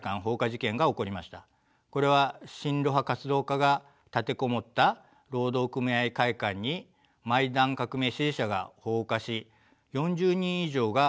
これは親ロ派活動家が立て籠もった労働組合会館にマイダン革命支持者が放火し４０人以上が犠牲になった痛ましい事件です。